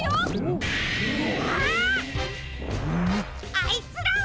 あいつらは！